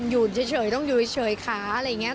อยู่เฉยต้องอยู่เฉยขาอะไรอย่างนี้